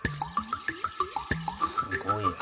すごいな。